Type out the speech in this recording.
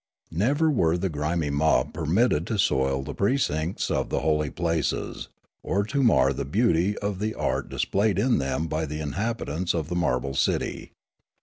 Never were the grimy mob permitted to soil the precincts of the hol}^ places, or to mar the beauty of the art dis played in them by the inhabitants of the marble cit}'.